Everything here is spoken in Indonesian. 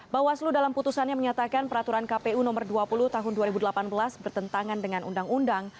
bawaslu dalam putusannya menyatakan peraturan kpu nomor dua puluh tahun dua ribu delapan belas bertentangan dengan undang undang